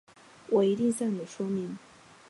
我一定向你说明